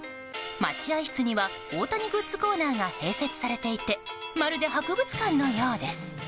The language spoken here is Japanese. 待合室には大谷グッズコーナーが併設されていてまるで博物館のようです。